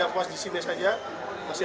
juga terima kasih